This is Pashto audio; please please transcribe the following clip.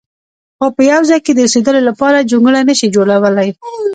خو په یو ځای د اوسېدلو لپاره جونګړه نه شي جوړولی.